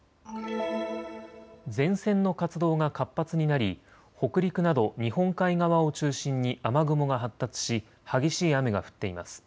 前線の活動が活発になり北陸など日本海側を中心に雨雲が発達し激しい雨が降っています。